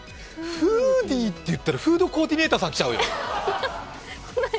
フーディーっていったら、フードコーディネーターさん来ちゃうよ。